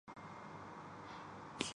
اکثر بہت زیادہ کھاتا ہوں